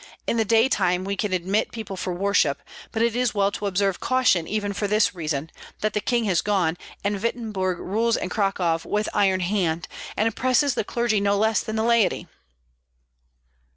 In the day time we can admit people for worship; but it is well to observe caution even for this reason, that the king has gone, and Wittemberg rules in Cracow with iron hand, and oppresses the clergy no less than the laity."